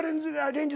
連日。